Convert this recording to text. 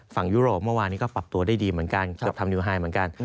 ยุโรปเมื่อวานนี้ก็ปรับตัวได้ดีเหมือนกันเกือบทำนิวไฮเหมือนกัน